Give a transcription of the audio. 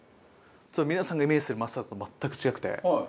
ちょっと皆さんがイメージするマスタードと全く違くて。